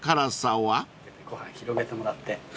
ご飯広げてもらって。